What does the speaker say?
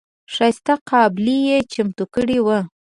ښایسته قابلي یې چمتو کړې وه.